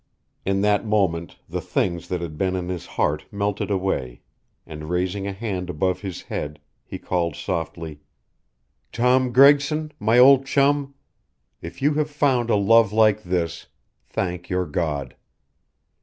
In that moment the things that had been in his heart melted away, and raising a hand above his head, he called, softly: "Tom Gregson, my old chum, if you have found a love like this, thank your God.